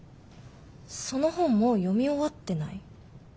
その本もう読み終わってない？